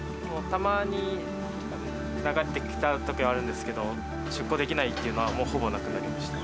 たまに流れてきたときはあるんですけど、出航できないというのはほぼなくなりました。